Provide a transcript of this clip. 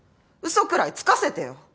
嘘くらいつかせてよ！